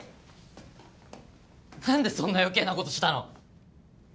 何でそんな余計なことしたの？